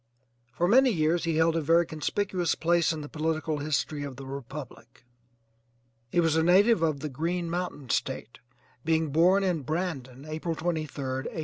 For many years he held a very conspicuous place in the political history of the republic. He was a native of the 'Green Mountain State,' being born at Brandon, April 23d, 1813.